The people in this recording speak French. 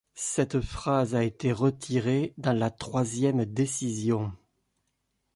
Cette phrase a été retirée dans la troisième décision.